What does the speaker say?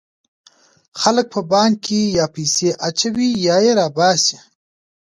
خلک په بانک کې یا پیسې اچوي یا یې را باسي.